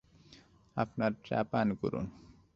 আপনার চা পান করুন।